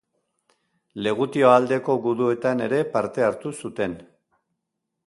Legutio aldeko guduetan ere parte hartu zuten.